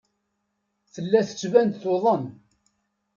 Tella tettban-d tuḍen.